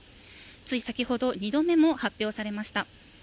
つい先ほど、２度目も発表されました。